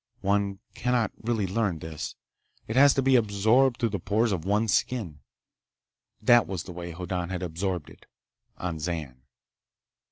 One cannot really learn this. It has to be absorbed through the pores of one's skin. That was the way Hoddan had absorbed it, on Zan.